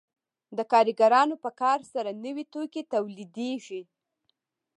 د کارګرانو په کار سره نوي توکي تولیدېږي